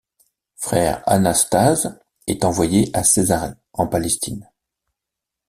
Frère Anastase est envoyé à Césarée, en Palestine.